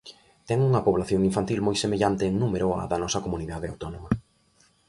Ten unha poboación infantil moi semellante en número á da nosa comunidade autónoma.